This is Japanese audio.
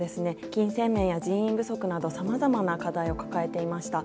金銭面や人員不足などさまざまな課題を抱えていました。